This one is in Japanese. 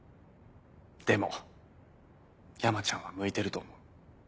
でも山ちゃんは向いてると思う。